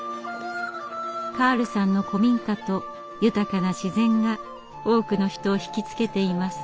カールさんの古民家と豊かな自然が多くの人を引き付けています。